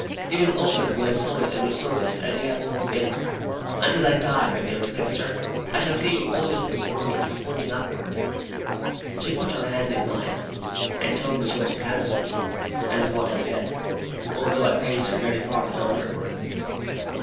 You will always be my solace and resource, as you have always been. Until I die, my dearest sister, I shall see you always before me, pointing upward!' She put her hand in mine, and told me she was proud of me, and of what I said; although I praised her very far beyond her worth.